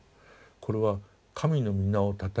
これは神のみなをたたえ